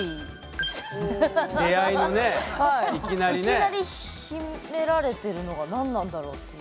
いきなり秘められてるのが何なんだろうっていう。